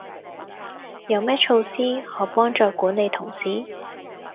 有咩措施可幫助管理同事？